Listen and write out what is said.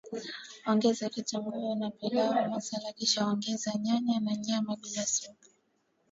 Ongeza kitunguu na pilau masala kisha ongeza nyanya na nyama bila supu